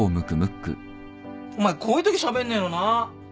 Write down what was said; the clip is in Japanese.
お前こういうときしゃべんねえのな。